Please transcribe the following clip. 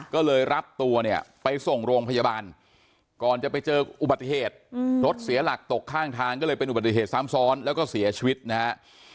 ก็เลยรับตัวเนี่ยไปส่งโรงพยาบาลก่อนจะไปเจออุบัติเหตุรถเสียหลักตกข้างทางก็เลยเป็นอุบัติเหตุซ้ำซ้อนแล้วก็เสียชีวิตนะฮะ